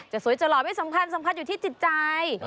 สวยจะหล่อไม่สำคัญสำคัญอยู่ที่จิตใจ